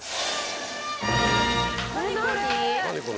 何これ。